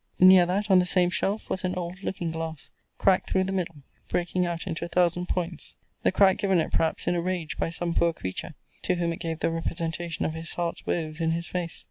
Near that, on the same shelf, was an old looking glass, cracked through the middle, breaking out into a thousand points; the crack given it, perhaps, in a rage, by some poor creature, to whom it gave the representation of his heart's woes in his face.